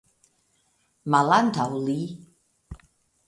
Malantaŭ li .